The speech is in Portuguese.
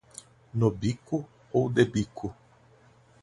No bico ou de bico